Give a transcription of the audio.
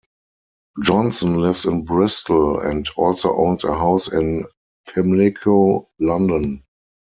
Johnson lives in Bristol and also owns a house in Pimlico, London.